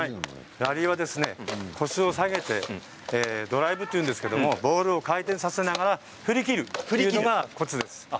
ラリーは腰を下げてドライブというんですがボールを回転させながら振りきるのがコツです。